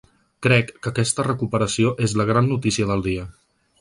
Crec que aquesta recuperació és la gran notícia del dia.